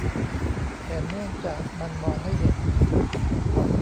แต่เนื่องจากมันมองไม่เห็น